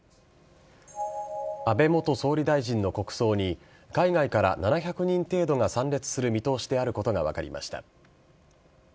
安倍元総理大臣の国葬に海外から７００人程度が参列する見通しであることが分かりました。